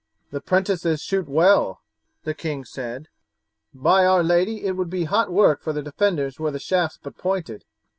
"The 'prentices shoot well," the king said; "by our lady, it would be hot work for the defenders were the shafts but pointed!